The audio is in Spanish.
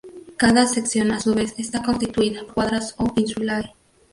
Cada sección a su vez está constituida por cuadras o "insulae".